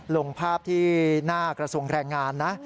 ลงภาพที่หน้ากระทรวงแรงงานนะ